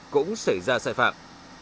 cũng xảy ra sai phạm